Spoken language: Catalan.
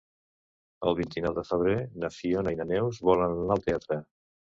El vint-i-nou de febrer na Fiona i na Neus volen anar al teatre.